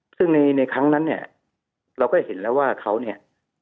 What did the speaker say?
ซึ่งในครั้งนั้นเนี่ยเราก็เห็นแล้วว่าเขาเนี่ย